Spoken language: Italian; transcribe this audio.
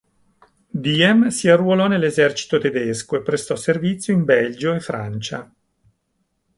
Diem si arruolò nell'esercito tedesco e prestò servizio in Belgio e Francia.